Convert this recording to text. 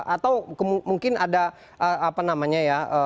atau mungkin ada apa namanya ya